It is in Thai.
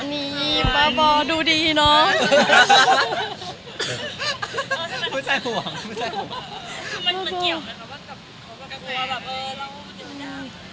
มีปิดฟงปิดไฟแล้วถือเค้กขึ้นมา